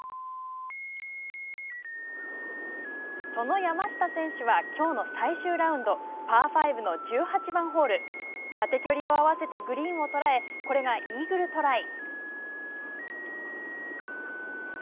その山下選手はきょうの最終ラウンドパー５の１８番ホール縦距離を合わせてグリーンを捉えこれがイーグルトライ。